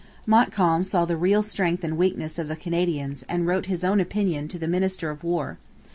Montcalm saw the real strength and weakness of the Canadians and wrote his own opinion to the minister of War.